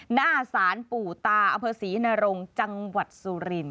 หน้าศาลปู่ตาอเภอศรีนรงจังหวัดสุรินท